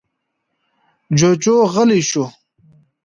جُوجُو غلی شو.